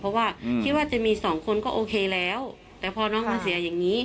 เพราะว่าคิดว่าจะมีสองคนก็โอเคแล้วแต่พอน้องมาเสียอย่างนี้